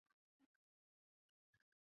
先天道由此得以在中国大陆继续活动。